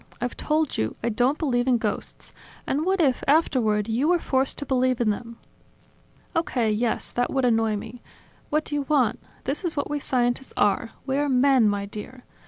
I've told you: I don't believe in ghosts. And what if, afterward, you were forced to believe in them?" "Okay, yes; that would annoy me. What do you want? This is what we scientists are: we are men, my dear.